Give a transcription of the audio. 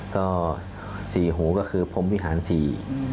ก็สี่หูก็คือพรมวิหารสี่